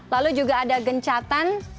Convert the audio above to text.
lalu juga ada gencatan